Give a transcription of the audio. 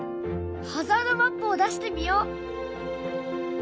ハザードマップを出してみよう！